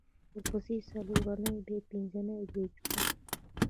ورپسې څلورنۍ بیا پینځنۍ او بیا جمعه